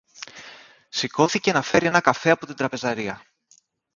Σηκώθηκε να φέρει έναν καφέ από την τραπεζαρία